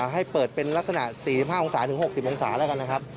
ให้เปิดเป็นลักษณะ๔๕องศาถึง๖๐องศาแล้วกันนะครับ